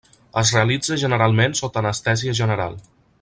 Es realitza generalment sota anestèsia general.